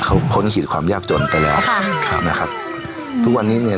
เขาพ้นขีดความยากจนไปแล้วค่ะครับนะครับทุกวันนี้เนี้ย